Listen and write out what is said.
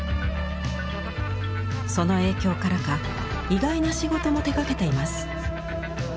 その影響からか意外な仕事も手がけています。